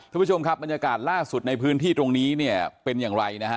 ทุกผู้ชมครับบรรยากาศล่าสุดในพื้นที่ตรงนี้เป็นอย่างไร